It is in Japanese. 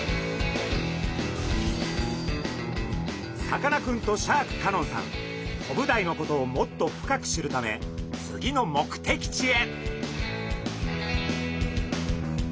さかなクンとシャーク香音さんコブダイのことをもっと深く知るため次の目的地へ。